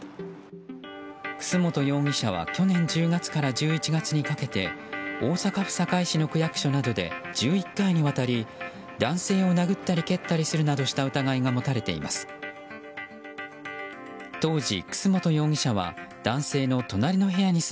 楠本容疑者は去年１０月から１１月にかけて大阪府堺市の区役所などで１１回にわたり男性を殴ったり蹴ったりするなどした疑いが持たれています。